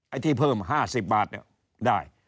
ไอที่เพิ่ม๕๐บาทเนี่ยได้